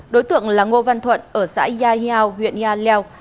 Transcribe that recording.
đối tượng là ngô văn thuận ở xã yà hiao huyện yà leo